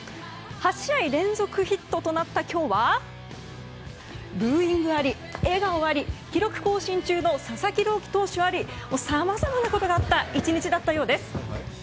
８試合連続ヒットとなった今日はブーイングあり、笑顔あり記録更新中の佐々木朗希投手ありさまざまなことがあった１日だったようです。